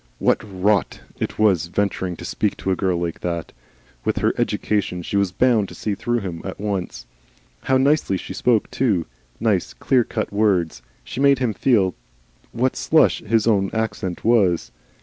What rot it was venturing to speak to a girl like that! With her education she was bound to see through him at once. How nicely she spoke too! nice clear cut words! She made him feel what slush his own accent was.